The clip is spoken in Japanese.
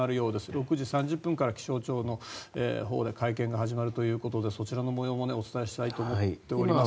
６時３０分から気象庁のほうで会見が始まるということでそちらの模様もお伝えしたいと思っております。